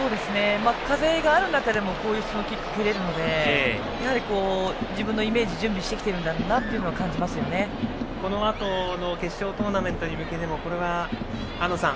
風がある中でもこういう質のキックを蹴れるのでやはり自分のイメージ準備してきているんだなとこのあとの決勝トーナメントに向けてもこれは安藤さん